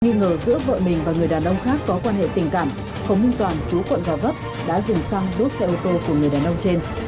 nghĩ ngờ giữa vợ mình và người đàn ông khác có quan hệ tình cảm hồng minh toàn chú quận gò vấp đã dùng xăng đốt xe ô tô của người đàn ông trên